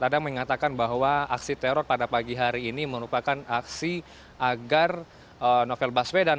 ada yang mengatakan bahwa aksi teror pada pagi hari ini merupakan aksi agar novel baswedan